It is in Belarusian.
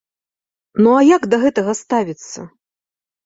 Ну а як да гэтага ставіцца?